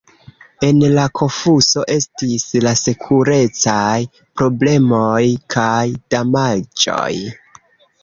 En la fokuso estis la sekurecaj problemoj kaj damaĝoj.